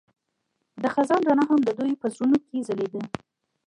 د خزان رڼا هم د دوی په زړونو کې ځلېده.